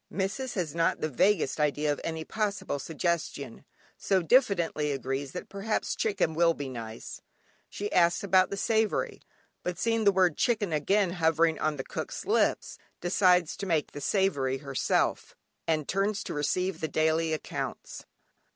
Missis has not the vaguest idea of any possible suggestion, so diffidently agrees that perhaps chicken will be nice. She asks about the savoury, but seeing the word "chicken" again hovering on cook's lips, decides to make the savoury herself, and turns to receive the daily accounts.